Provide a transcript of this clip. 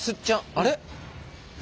あれ？